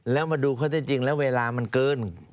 แล้วมาดูข้อที่จริงแล้วเวลามันเกิน